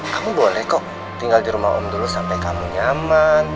kamu boleh kok tinggal di rumah om dulu sampai kamu nyaman